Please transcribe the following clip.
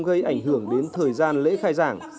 gây ảnh hưởng đến thời gian lễ khai giảng